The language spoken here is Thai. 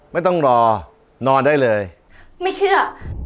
ไม่ต้องรอนอนได้เลยไม่เชื่อ